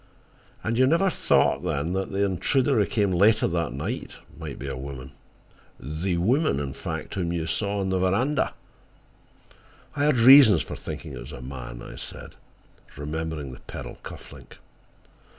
"And you never thought then that the intruder who came later that night might be a woman—the woman, in fact, whom you saw on the veranda?" "I had reasons for thinking it was a man," I said remembering the pearl cuff link.